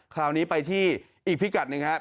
คราวนี้ไปที่อีกพิกัดหนึ่งครับ